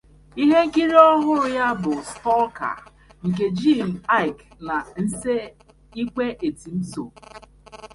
Ihe nkiri ọhụrụ ya bụ "Stalker", nke Jim Iyke na Nse Ikpe Etim so.